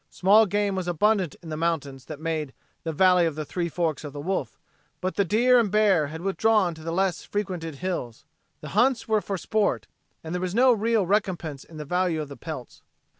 Small game was abundant in the mountains that made the "Valley of the Three Forks o' the Wolf," but the deer and bear had withdrawn to the less frequented hills. The hunts were for sport; there was no real recompense in the value of the pelts.